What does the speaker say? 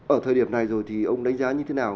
ở thời điểm này rồi thì ông đánh giá như thế nào